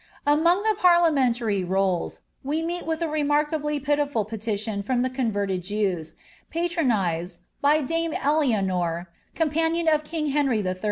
ODff the parliamentary rolls, we meet with a remarkably pitiful 0 from the converted Jews, patronised ^ by Dame Alianor, com 1 of king Henry III.